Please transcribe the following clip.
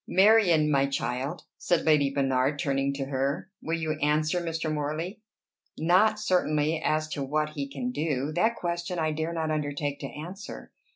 "Marion, my child," said Lady Bernard, turning to her, "will you answer Mr. Morley?" "Not, certainly, as to what he can do: that question I dare not undertake to answer.